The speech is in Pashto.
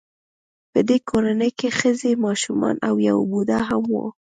په دې کورنۍ کې ښځې ماشومان او یو بوډا هم و